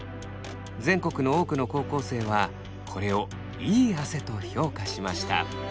全国の多くの高校生はこれをいい汗と評価しました。